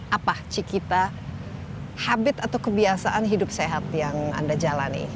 apa cikita habit atau kebiasaan hidup sehat yang anda jalani